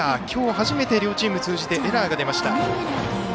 今日初めて両チーム通じてエラーが出ました。